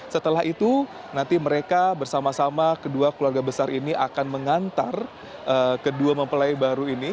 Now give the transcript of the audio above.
setelah itu nanti mereka bersama sama kedua keluarga besar ini akan mengantar kedua mempelai baru ini